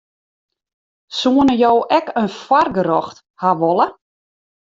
Soenen jo ek in foargerjocht hawwe wolle?